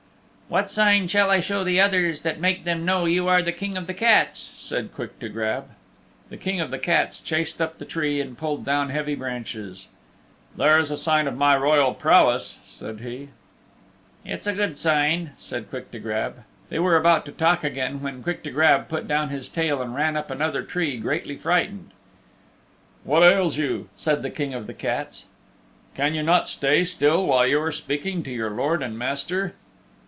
"What sign shall I show the others that will make them know you are the King of the Cats?" said Quick to Grab. The King of the Cats chased up the tree and pulled down heavy branches. "There is a sign of my royal prowess," said he. "It's a good sign," said Quick to Grab. They were about to talk again when Quick to Grab put down his tail and ran up another tree greatly frightened. "What ails you?" said the King of the Cats. "Can you not stay still while you are speaking to your lord and master?"